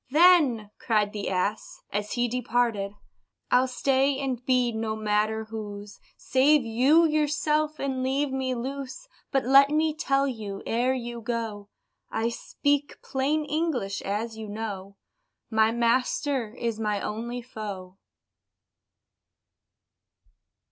"Then," cried the ass, as he departed "I'll stay, and be no matter whose; Save you yourself, and leave me loose But let me tell you, ere you go, (I speak plain English, as you know,) My master is my only foe."